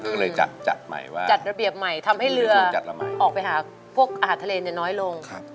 ก็เลยจัดใหม่ว่าจัดระเบียบใหม่ทำให้เรือจัดออกไปหาพวกอาหารทะเลเนี่ยน้อยลง